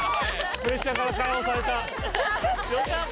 プレッシャーから解放された。